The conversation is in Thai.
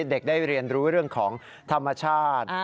เด็กได้เรียนรู้เรื่องของธรรมชาติ